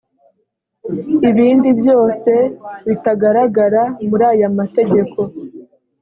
ibindi byose bitagaragara muri aya mategeko